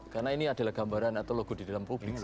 karena ini adalah gambaran atau logo di dalam publik sih